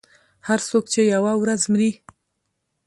• هر څوک چې یوه ورځ مري.